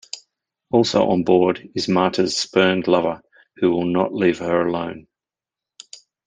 Also on board is Marta's spurned lover, who will not leave her alone.